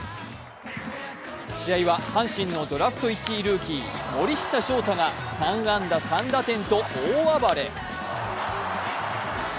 試合は阪神のドラフト１位ルーキー森下翔太が３安打３打点と大暴れ。